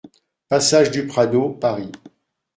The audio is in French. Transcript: Passage du Prado, Paris